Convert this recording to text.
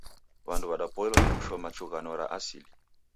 Wandu wadapoilwa ni kushoma chughano ra asili.